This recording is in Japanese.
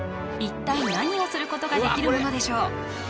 一体何をすることができるものでしょう？